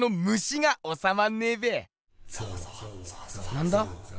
なんだ？